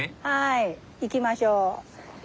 はい行きましょう。